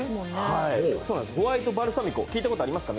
ホワイトバルサミコ聞いたことありますか？